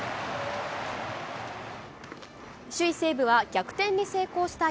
首位西武は逆転に成功した